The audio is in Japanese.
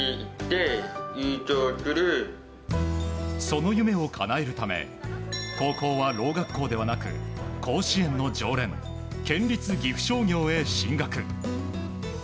その夢をかなえるため高校はろう学校ではなく甲子園の常連県立岐阜商業へ進学。